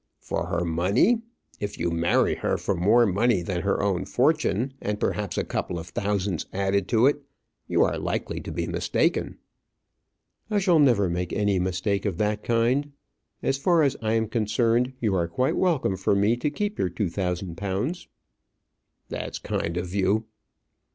"For her money! If you marry her for more money than her own fortune, and perhaps a couple of thousands added to it, you are likely to be mistaken." "I shall never make any mistake of that kind. As far as I am concerned, you are quite welcome, for me, to keep your two thousand pounds." "That's kind of you."